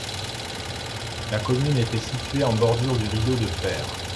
La commune était situé en bordure du Rideau de fer.